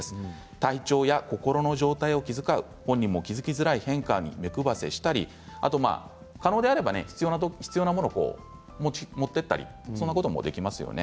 体調や心の状態を気遣う本人も気付きにくい変化に目くばせしたり可能であれば必要なものを持って行ったりできますよね。